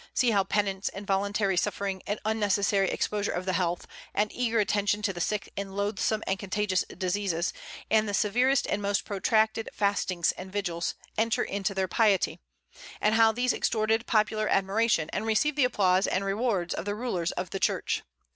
See how penance, and voluntary suffering, and unnecessary exposure of the health, and eager attention to the sick in loathsome and contagious diseases, and the severest and most protracted fastings and vigils, enter into their piety; and how these extorted popular admiration, and received the applause and rewards of the rulers of the Church.